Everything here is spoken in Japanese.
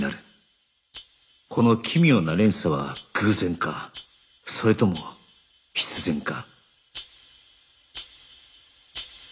この奇妙な連鎖は偶然かそれとも必然か